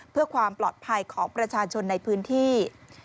เพื่อความปลอดภัยของประชาชนในพื้นที่